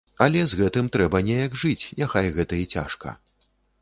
Але з гэтым трэба неяк жыць, няхай гэта і цяжка.